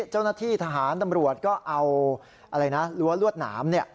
เจ้าหน้าที่ทหารตำรวจก็เอารั้วลวดหนาม